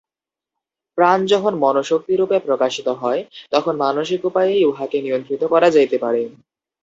প্রাণ যখন মনঃশক্তিরূপে প্রকাশিত হয়, তখন মানসিক উপায়েই উহাকে নিয়ন্ত্রিত করা যাইতে পারে।